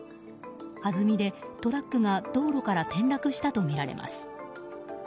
はずみで、トラックが道路から転落したとみられます。